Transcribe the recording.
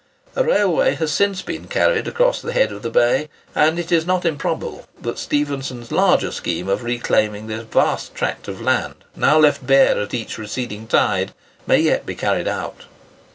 A railway has since been carried across the head of the bay; and it is not improbable that Stephenson's larger scheme of reclaiming the vast tract of land now left bare at each receding tide, may yet be carried out.